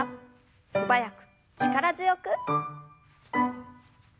素早く力強く。